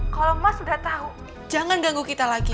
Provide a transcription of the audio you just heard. kalau mas sudah tahu jangan ganggu kita lagi